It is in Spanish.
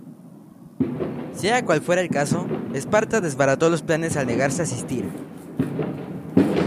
Sea cual fuera el caso, Esparta desbarató los planes al negarse a asistir.